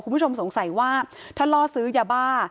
คุณผู้ชมสงสัยว่าถ้าล่อซื้อยาบ้า